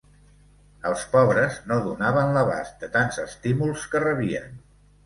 Els pobres no donaven l'abast de tants estímuls que rebien.